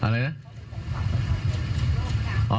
อะไรนะ